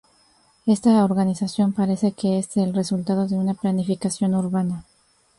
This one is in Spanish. Esta organización parece que es el resultado de una planificación urbana.